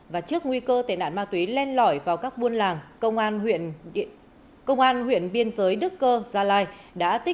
và trước nguy cơ tệ nạn ma túy len lỏi vào các buôn làng công an huyện biên giới đức cơ gia lai đã tích